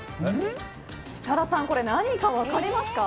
設楽さん、何か分かりますか？